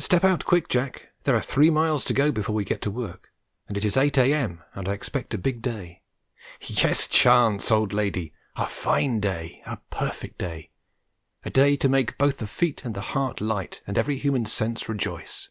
Step out quick, Jack; there are three miles to go before we get to work, and it is 8 a.m. and I expect a big day. Yes, Chance, old lady, a fine day a perfect day a day to make both the feet and the heart light and every human sense rejoice.